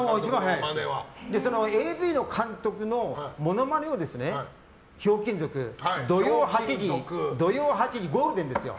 ＡＶの監督のモノマネを「ひょうきん族」、土曜８時ゴールデンですよ。